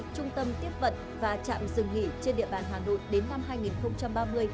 trung tâm tiếp vận và trạm dừng nghỉ trên địa bàn hà nội đến năm hai nghìn ba mươi